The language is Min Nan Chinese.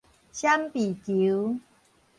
閃避球